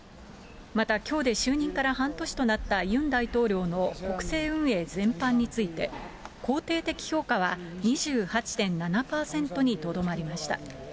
またきょうで就任から半年となったユン大統領の国政運営全般について、肯定的評価は２８．７％にとどまりました。